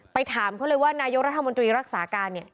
ถามเขาเลยว่านายกรัฐมนตรีรักษาการเนี่ย